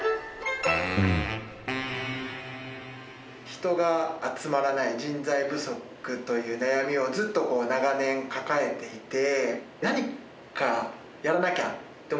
人が集まらない人材不足という悩みをずっと長年抱えていて。